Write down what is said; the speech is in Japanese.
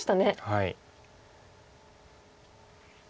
はい。